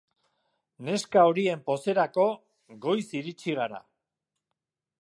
Neska horien pozerako goiz iritsi gara.